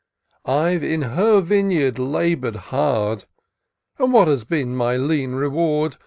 I've in her vineyard labour'd hard, And what has been my lean reward